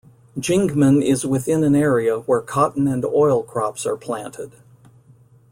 Jingmen is within an area where cotton and oil crops are planted.